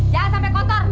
jangan sampai kotor